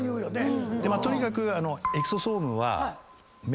とにかく。